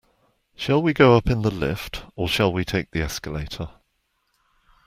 Shall we go up in the lift, or shall we take the escalator?